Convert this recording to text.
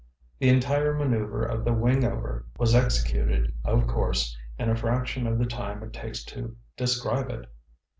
The entire manœuver of the wingover was executed, of course, in a fraction of the time it takes to describe it.